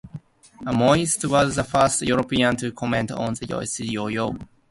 Amiot was the first European to comment on the Chinese yo-yo.